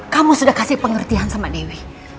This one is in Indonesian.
kamu sudah kasih pengertian sama dewi